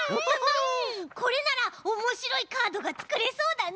これならおもしろいカードがつくれそうだね！